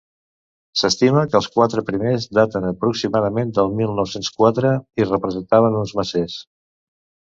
S'estima que els quatre primers daten aproximadament del mil nou-cents quatre i representaven uns macers.